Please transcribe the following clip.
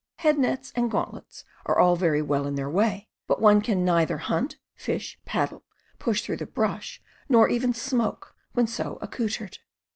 Head nets and gauntlets are all very well in their way, but one can neither hunt, fish, paddle, push through the brush, nor even smoke, when so accoutered.